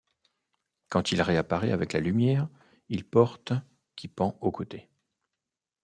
Quand il réapparaît avec la lumière, il porte qui pend au côté.